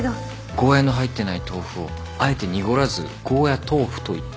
ゴーヤの入ってない豆腐をあえて濁らずゴーヤトーフと言った。